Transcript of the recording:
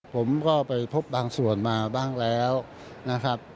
ผมก็ไปพบบางส่วนมาบ้างแล้วนะครับ